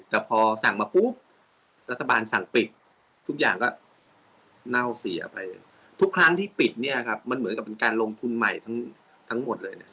แต่พอสั่งมาปุ๊บรัฐบาลสั่งปิดทุกอย่างก็เน่าเสียไปทุกครั้งที่ปิดเนี่ยครับมันเหมือนกับเป็นการลงทุนใหม่ทั้งหมดเลยเนี่ย